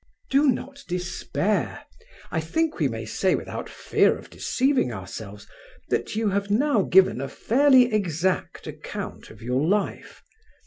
"Do not despair. I think we may say without fear of deceiving ourselves, that you have now given a fairly exact account of your life.